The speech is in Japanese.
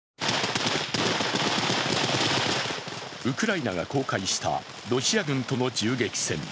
ウクライナが公開したロシア軍との銃撃戦。